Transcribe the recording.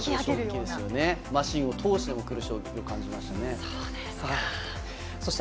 マシーンを通しても衝撃を感じました。